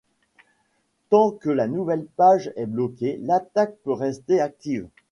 Tant que la nouvelle page est bloquée, l'attaque peut rester active.